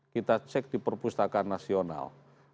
kita cek di perpustakaan nasional